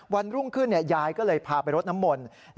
วันรุ่งขึ้นยายก็เลยพาไปรดน้ำมนต์